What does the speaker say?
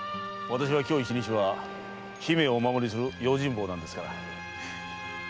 私は今日一日は姫をお守りする用心棒なんですから。